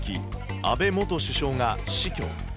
安倍元首相が死去。